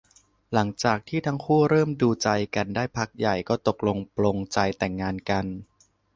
หลังจากที่ทั้งคู่เริ่มดูใจกันได้พักใหญ่ ก็ตกลงปลงใจแต่งงานกัน